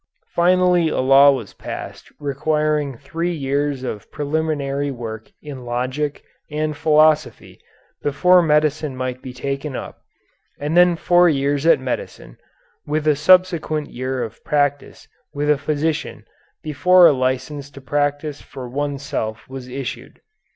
Finally a law was passed requiring three years of preliminary work in logic and philosophy before medicine might be taken up, and then four years at medicine, with a subsequent year of practice with a physician before a license to practise for one's self was issued.